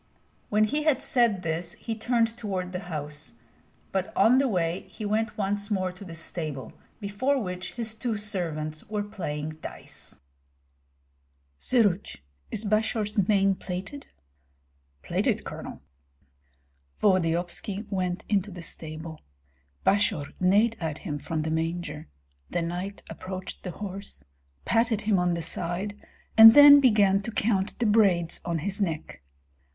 When he had said this he turned toward the house; but on the way he went once more to the stable, before which his two servants were playing dice. "Syruts, is Basior's mane plaited?" "Plaited, Colonel!" Volodyovski went into the stable. Basior neighed at him from the manger; the knight approached the horse, patted him on the side, and then began to count the braids on his neck.